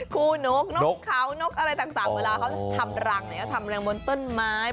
คู่นกนกเขานกอะไรต่างเวลาเขาทำรังเขาทำแรงบนต้นไม้